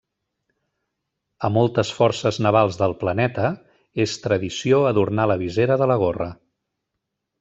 A moltes forces navals del planeta és tradició adornar la visera de la gorra.